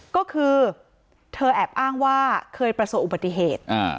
ก็คือเธอแอบอ้างว่าเคยประสบอุบัติเหตุ